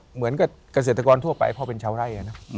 เหมือนกับเกษตรกรทั่วไปพ่อเป็นชาวไร่